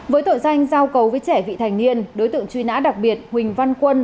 với tội danh giao cầu với trẻ vị thành niên đối tượng truy nã đặc biệt huỳnh văn quân